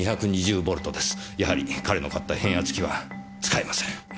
やはり彼の買った変圧器は使えません。